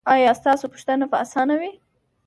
ایا ستاسو پوښتنه به اسانه وي؟